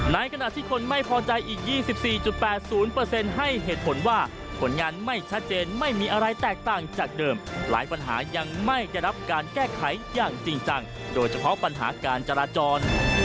ในขณะที่คนไม่พอใจอีก๒๔๘๐ให้เหตุผลว่าผลงานไม่ชัดเจนไม่มีอะไรแตกต่างจากเดิมหลายปัญหายังไม่ได้รับการแก้ไขอย่างจริงจังโดยเฉพาะปัญหาการจราจร